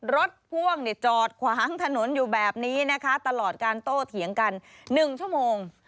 รถพ่วงจอดขวางถนนอยู่แบบนี้นะคะตลอดการโต้เถียงกัน๑ชั่วโมง